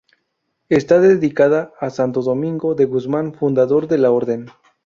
Está dedicada a Santo Domingo de Guzmán, fundador de la Orden.